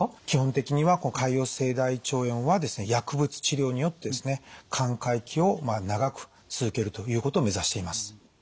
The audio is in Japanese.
基本的には潰瘍性大腸炎はですね薬物治療によってですね寛解期を長く続けるということを目指しています。